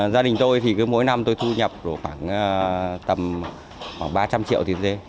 gia đình tôi thì mỗi năm tôi thu nhập khoảng ba trăm linh triệu tiền dê